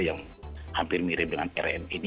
yang hampir mirip dengan rmi ini